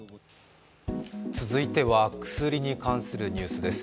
続いては薬に関するニュースです。